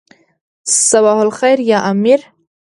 صباح الخیر یا امیر.